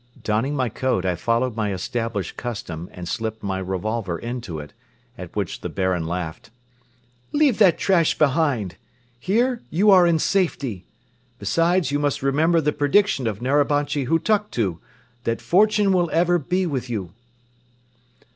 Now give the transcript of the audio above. Donning my coat, I followed my established custom and slipped my revolver into it, at which the Baron laughed. "Leave that trash behind! Here you are in safety. Besides you must remember the prediction of Narabanchi Hutuktu that Fortune will ever be with you."